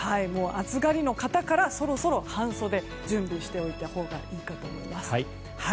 暑がりの方からそろそろ半袖の準備をしておいたほうがいいかと思います。